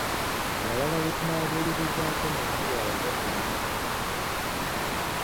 Mu balala be tunaabuulirizaako mwe muli abazadd n’abasomesa.